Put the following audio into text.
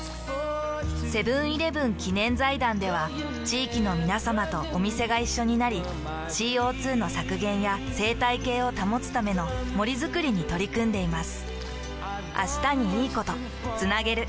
セブンーイレブン記念財団では地域のみなさまとお店が一緒になり ＣＯ２ の削減や生態系を保つための森づくりに取り組んでいます。